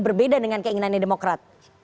berbeda dengan keinginannya demokraat